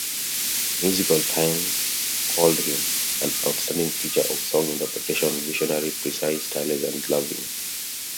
"Musical Times" called him "an outstanding teacher of song interpretation-visionary, precise, tireless and loving.